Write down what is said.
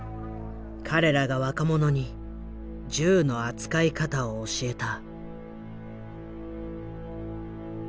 彼らが若者に銃の扱い方を教えた。